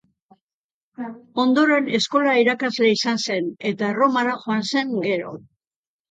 Ondoren eskola-irakasle izan zen, eta Erromara joan zen gero.